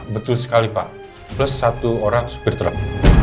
betul sekali pak